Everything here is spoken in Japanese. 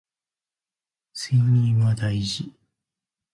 睡眠は大事